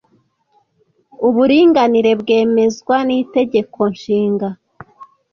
Uburinganire bwemezwa n’Itegeko Nshinga.